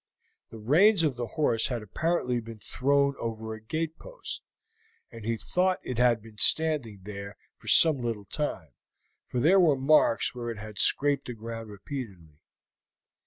The reins of the horse had apparently been thrown over a gatepost, and he thought it had been standing there for some little time, for there were marks where it had scraped the ground repeatedly.